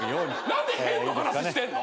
何で偏の話してんの！？